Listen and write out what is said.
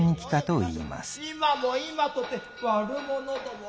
今も今とて悪者共が。